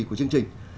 của chương trình